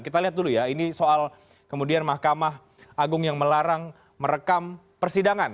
kita lihat dulu ya ini soal kemudian mahkamah agung yang melarang merekam persidangan